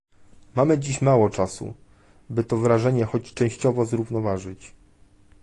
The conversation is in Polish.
Mamy dziś mało czasu, by to wrażenie choć częściowo zrównoważyć